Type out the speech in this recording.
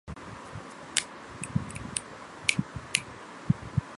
টাঙ্গাইলের তাঁতের শাড়ি বিশ্বজুড়ে সমাদৃত।